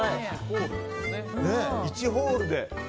１ホールで。